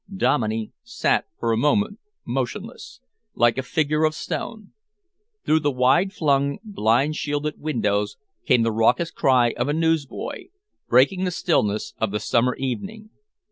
Dominey sat for a moment motionless, like a figure of stone. Through the wide flung, blind shielded windows came the raucous cry of a newsboy, breaking the stillness of the summer evening.